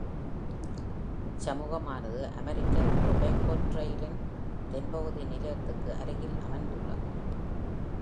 இச்சமூகமானது American Tobacco Trail-இன் தென்பகுதி நிலையத்திற்கு அருகில் அமைந்துள்ளது.